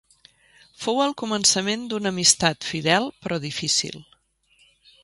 Fou el començament d'una amistat fidel però difícil.